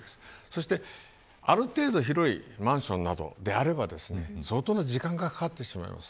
そしてある程度広いマンションなどであれば相当な時間がかかってしまいます。